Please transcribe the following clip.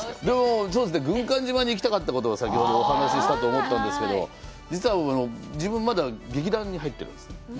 でも、そうですね、軍艦島に行きたかったと先ほどお話ししたと思ったんですけど、実は僕、自分まだ劇団に入ってるんです。